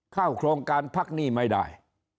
เข้าโครงการพักหนี้ไม่ได้